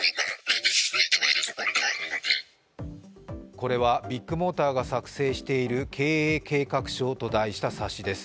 これはビッグモーターが作成している経営計画書と題した冊子です。